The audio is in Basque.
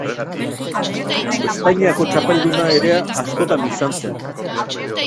Espainiako txapelduna ere askotan izan zen.